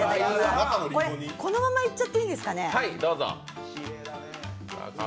このままいっちゃっていいんですかね。